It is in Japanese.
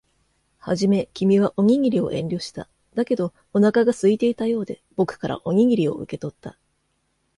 はじめ、君はおにぎりを遠慮した。だけど、お腹が空いていたようで、僕からおにぎりを受け取った。